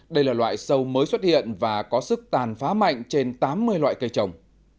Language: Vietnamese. đây là loại sâu mới xuất hiện và có sức tàn phá mạnh trên tám mươi loại cây trồng